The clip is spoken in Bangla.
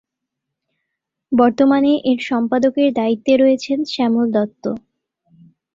বর্তমানে এর সম্পাদকের দায়িত্বে রয়েছেন শ্যামল দত্ত।